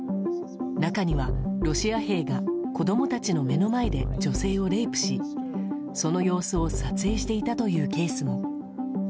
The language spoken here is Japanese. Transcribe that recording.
中にはロシア兵が子供たちの目の前で女性をレイプしその様子を撮影していたというケースも。